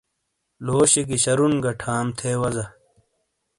لوشی گی شرُون گی ٹھام تھے وزا۔